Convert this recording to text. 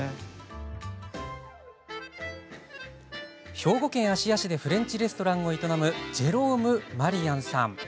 兵庫県芦屋市でフレンチレストランを営むジェローム・マリアンさん。